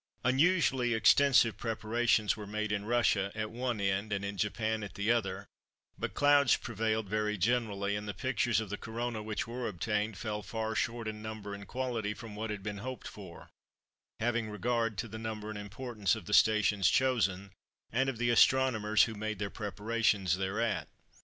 Unusually extensive preparations were made in Russia at one end and in Japan at the other, but clouds prevailed very generally, and the pictures of the Corona which were obtained fell far short in number and quality from what had been hoped for, having regard to the number and importance of the stations chosen, and of the astronomers who made their preparations thereat.